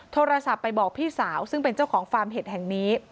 โทรศัพท์ไปบอกพี่สาวซึ่งเป็นเจ้าของฟาร์มเห็ดแห่งนี้